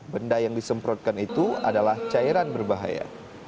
benda yang disemprotkan itu adalah cairan berbahaya